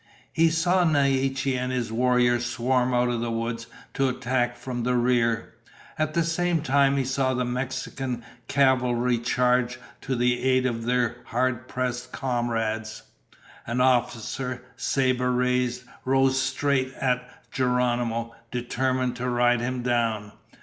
He saw Naiche and his warriors swarm out of the woods to attack from the rear. At the same time he saw the Mexican cavalry charge to the aid of their hard pressed comrades. An officer, saber raised, rode straight at Geronimo, determined to ride him down.